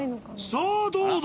さあどうだ？